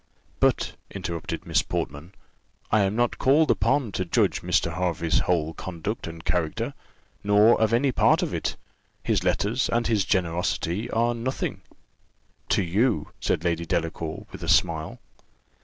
"But," interrupted Miss Portman, "I am not called upon to judge of Mr. Hervey's whole conduct and character, nor of any part of it; his letters and his generosity are nothing " "To you?" said Lady Delacour with a smile.